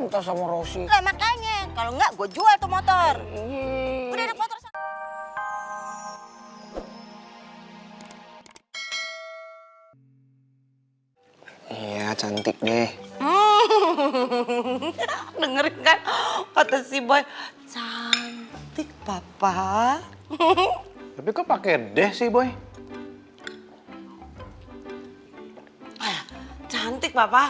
fotonya perhatikan baik baik